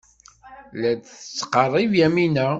La d-tettqerrib Yamina.